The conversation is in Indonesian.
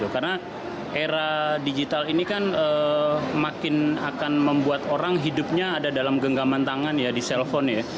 karena era digital ini kan makin akan membuat orang hidupnya ada dalam genggaman tangan di cell phone